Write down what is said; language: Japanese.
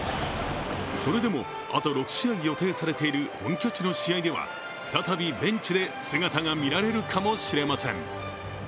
それでも、あと６試合予定されている本拠地の試合では再びベンチで姿が見られるかもしれません。